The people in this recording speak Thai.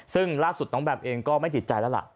ซึ่งล่าสุดน้องแบมเองก็ไม่ติดใจแล้วล่ะ